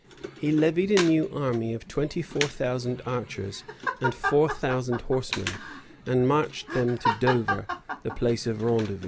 He levied a new army of twenty four thousand archers and four thousand horsemen,[] and marched them to Dover, the place of rendezvous.